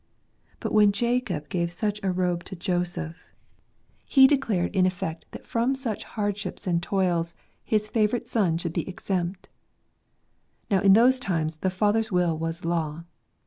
But when Jacob gave such a robe to Joseph, he declared in effect that from such hardships *4 (Sarl£ §airs. and toils his favourite son should be exempt Now in those times the father's will was law.